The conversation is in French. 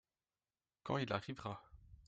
Quand il arrivera.